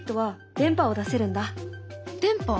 電波？